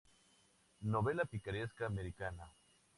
Novela picaresca americana".